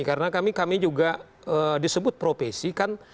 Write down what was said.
karena kami kami juga eeem disebut profesi kan